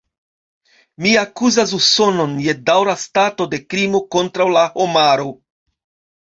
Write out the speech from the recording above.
Mi akuzas Usonon je daŭra stato de krimo kontraŭ la homaro.